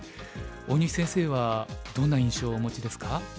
大西先生はどんな印象をお持ちですか？